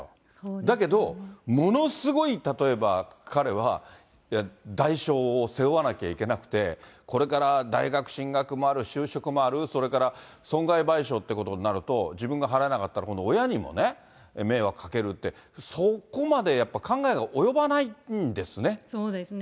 だけど、ものすごい、例えば彼は代償を背負わなきゃいけなくて、これから大学進学もある、就職もある、それから損害賠償ってことになると、自分が払えなかったら、今度、親にもね、迷惑かけるって、そこまでやっぱ考えが及ばないんですね。